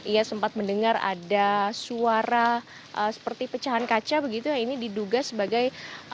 ia sempat mendengar ada suara seperti pecahan kaca begitu ini diduga sebagai